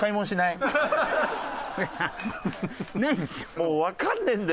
もうわかんねえんだよ！